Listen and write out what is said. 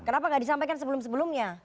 kenapa nggak disampaikan sebelum sebelumnya